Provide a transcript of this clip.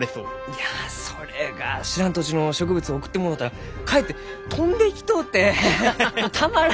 いやそれが知らん土地の植物を送ってもろうたらかえって飛んでいきとうてたまらんくて！